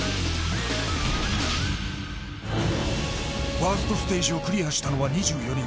ファーストステージをクリアしたのは２４人。